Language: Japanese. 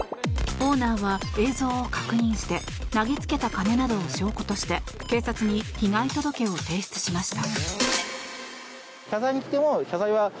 オーナーは映像を確認して投げつけた金などを証拠として警察に被害届を提出しました。